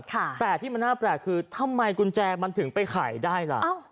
แต่ที่มันน่าแปลกคือทำไมกุญแจมันถึงไปขายได้ล่ะ